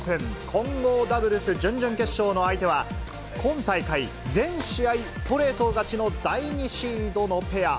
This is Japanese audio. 混合ダブルス準々決勝の相手は、今大会、全試合ストレート勝ちの第２シードのペア。